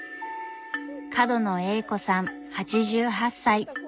角野栄子さん８８歳。